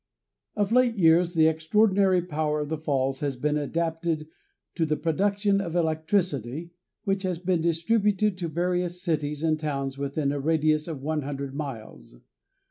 Of late years the extraordinary power of the falls has been adapted to the production of electricity, which has been distributed to various cities and towns within a radius of 100 miles.